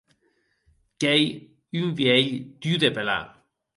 Qu’ei un vielh dur de pelar.